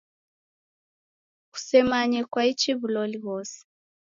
Kusemanye kwaichi w'uloli ghose.